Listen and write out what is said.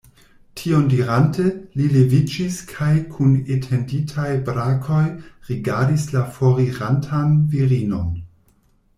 Tion dirante, li leviĝis kaj kun etenditaj brakoj rigardis la forirantan virinon.